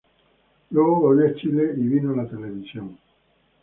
Luego volvió a Chile y vino la televisión.